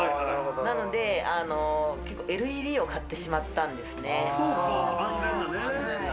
なので、ＬＥＤを買ってしまったんですね。